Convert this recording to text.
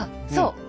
そう。